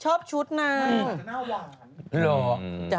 ชอบชุดน้ำ